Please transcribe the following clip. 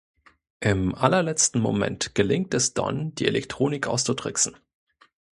Im allerletzten Moment gelingt es Don, die Elektronik auszutricksen.